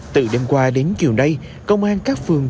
từ đêm qua đến chiều nay công an các phường